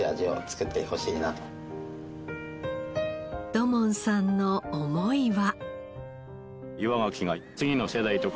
土門さんの思いは？